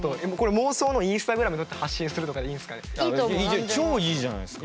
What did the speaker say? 妄想のインスタグラムにのせて発信するとかで超いいじゃないですか。